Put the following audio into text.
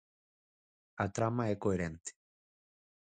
A trama é coherente.